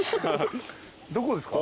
どこですか？